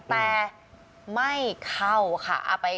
แต่ไม่เข้าค่ะ